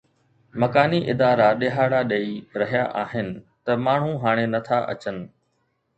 مڪاني ادارا ڏهاڙا ڏئي رهيا آهن ته ماڻهو هاڻي نٿا اچن